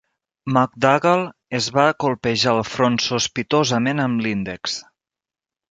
MacDougall es va colpejar el front sospitosament amb l'índex.